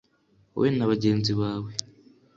Wowe na bagenzi bawe